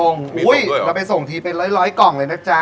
ส่งโอ้ยเราไปส่งทีเป็น๑๐๐กล่องเลยนะกราบจ๊ะ